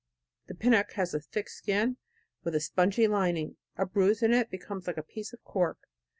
The pinnock has a thick skin with a spongy lining, a bruise in it becomes like a piece of cork.